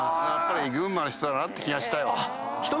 群馬の人だなって気がしたよ。